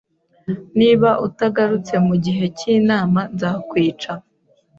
Niba utagarutse mugihe cyinama, nzakwica.